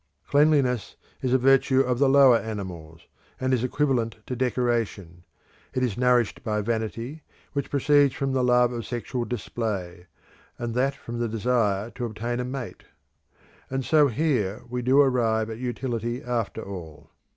Cleanliness is a virtue of the lower animals, and is equivalent to decoration; it is nourished by vanity, which proceeds from the love of sexual display, and that from the desire to obtain a mate; and so here we do arrive at utility after all.